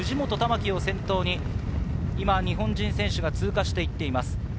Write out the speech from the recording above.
輝を先頭に日本人選手が通過していっています。